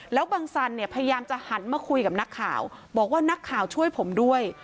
แล้วบังสันเนี่ยพยายามจะหันมาคุยกับนักข่าวบอกว่านักข่าวช่วยผมด้วย